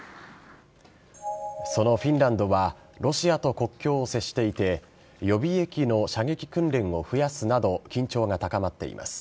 そのフィンランドはロシアと国境を接していて予備役の射撃訓練を増やすなど緊張が高まっています。